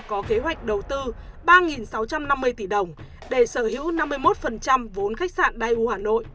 có kế hoạch đầu tư ba sáu trăm năm mươi tỷ đồng để sở hữu năm mươi một vốn khách sạn đài u hà nội